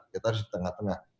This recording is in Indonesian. kita harus di tengah tengah